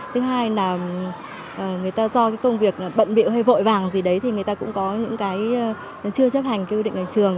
thứ hai là người ta do cái công việc bận biệu hay vội vàng gì đấy thì người ta cũng có những cái chưa chấp hành cái quy định ở trường